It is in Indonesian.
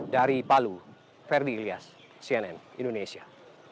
dari palu ferdi ilyas cnn indonesia